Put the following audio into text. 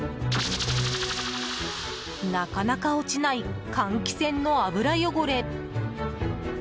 なかなか落ちない換気扇の油汚れ。